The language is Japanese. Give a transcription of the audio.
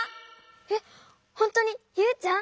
えっほんとにユウちゃん？